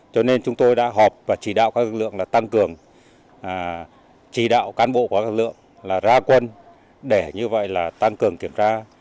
cho nên chúng tôi đã họp và chỉ đạo các lực lượng là tăng cường chỉ đạo cán bộ của các lực lượng là ra quân để như vậy là tăng cường kiểm tra